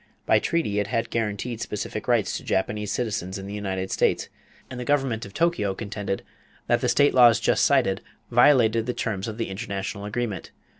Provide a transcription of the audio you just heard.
By treaty it had guaranteed specific rights to Japanese citizens in the United States, and the government at Tokyo contended that the state laws just cited violated the terms of the international agreement.